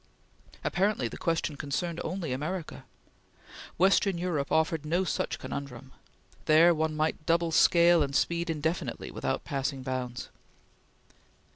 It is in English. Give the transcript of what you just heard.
Apparently the question concerned only America. Western Europe offered no such conundrum. There one might double scale and speed indefinitely without passing bounds.